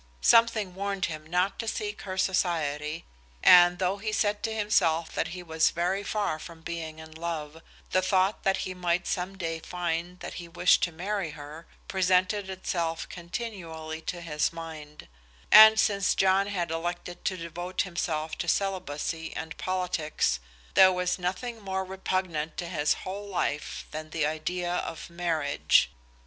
Something warned him not to seek her society, and though he said to himself that he was very far from being in love, the thought that he might some day find that he wished to marry her presented itself continually to his mind; and since John had elected to devote himself to celibacy and politics, there was nothing more repugnant to his whole life than the idea of marriage.